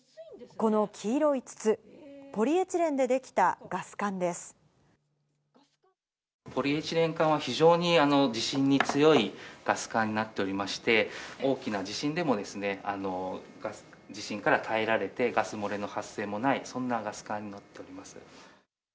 この黄色い筒、ポリエチレンポリエチレン管は、非常に地震に強いガス管になっておりまして、大きな地震でも、地震から耐えられて、ガス漏れの発生もない、そんなガス管になっております。